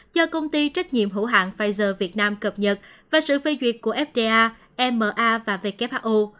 do công ty trách nhiệm hữu hạn pfizer việt nam cập nhật và sự phê duyệt của fda ema và who